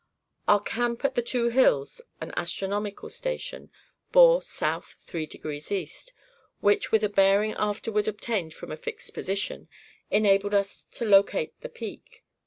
Our camp at the Two Hills (an astronomical station) bore south 3° east, which, with a bearing afterward obtained from a fixed position, enabled us to locate the peak.